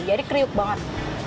jadi kriuk banget